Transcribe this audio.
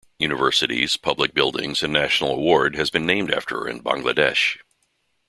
Universities, public buildings and National Award has been named after her in Bangladesh.